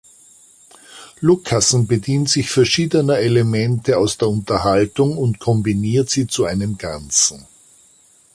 Lucassen bedient sich verschiedener Elemente aus der Unterhaltung und kombiniert sie zu einem Ganzen.